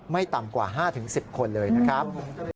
ไม่ต่ำกว่า๕๑๐คนเลยนะครับ